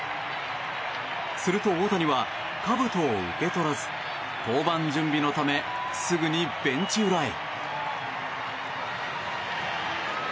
すると大谷はかぶとを受け取らず登板準備のためすぐにベンチ裏へ。